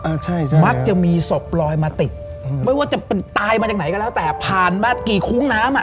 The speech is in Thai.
ใช่ไหมมักจะมีศพลอยมาติดอืมไม่ว่าจะเป็นตายมาจากไหนก็แล้วแต่ผ่านมากี่คุ้งน้ำอ่ะ